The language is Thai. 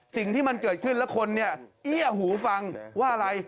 สิ่งที่มันเกิดขึ้นแล้วคนเนี่ยเอี้ยหูฟังว่าอะไร